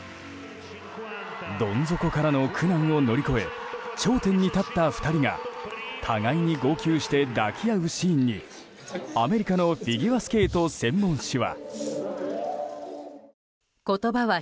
どん底からの苦難を乗り越え頂点に立った２人が互いに号泣して抱き合うシーンにアメリカのフィギュアスケート専門誌は。